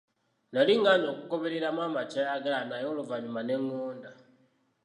Nnali ngaanye okugoberera maama kyayagala naye oluvannyuma ne ngonda.